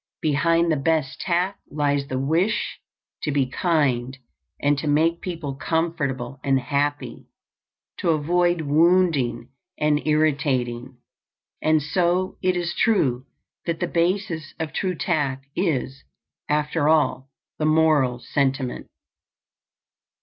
Behind the best tact lies the wish to be kind and to make people comfortable and happy, to avoid wounding and irritating; and so it is true that the basis of true tact is, after all, the moral sentiment.